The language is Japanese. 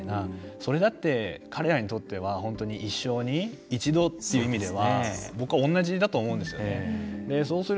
それだって彼らにとっては一生に一度という意味では僕は同じだと思うんですよ。